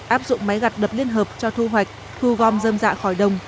áp dụng máy gặt đập liên hợp cho thu hoạch thu gom dơm dạ khỏi đồng